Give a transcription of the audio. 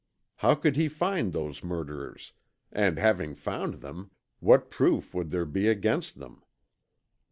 How could he find those murderers, and having found them, what proof would there be against them?